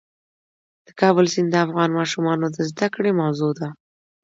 د کابل سیند د افغان ماشومانو د زده کړې موضوع ده.